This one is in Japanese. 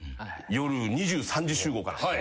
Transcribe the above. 夜２３時集合か何かで。